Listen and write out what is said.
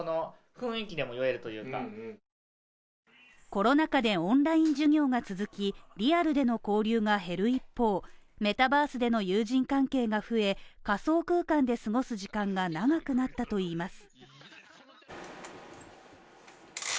コロナ禍でオンライン授業が続き、リアルでの交流が減る一方、メタバースでの友人関係が増え、仮想空間で過ごす時間が長くなったといいます。